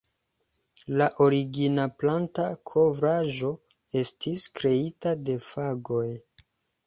La origina planta kovraĵo estis kreita de fagoj.